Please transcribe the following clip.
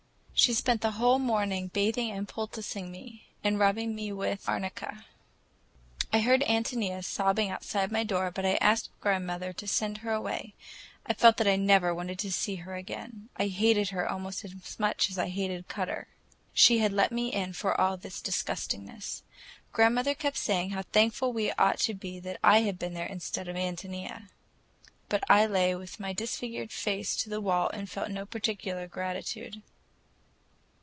She spent the whole morning bathing and poulticing me, and rubbing me with arnica. I heard Ántonia sobbing outside my door, but I asked grandmother to send her away. I felt that I never wanted to see her again. I hated her almost as much as I hated Cutter. She had let me in for all this disgustingness. Grandmother kept saying how thankful we ought to be that I had been there instead of Ántonia. But I lay with my disfigured face to the wall and felt no particular gratitude.